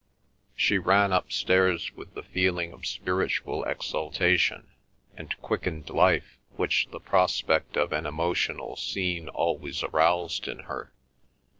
She ran upstairs with the feeling of spiritual exaltation and quickened life which the prospect of an emotional scene always aroused in her.